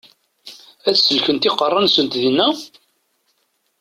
Ad sellkent iqeṛṛa-nsent dinna?